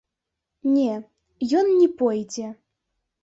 Не, ён не пойдзе.